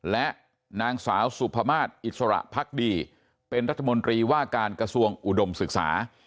และนางสาวสุภามาศอิสระพักดีเป็นรัฐมนตรีว่าการกระทรวงอุดมศึกษา